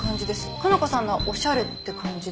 加奈子さんのはおしゃれって感じで。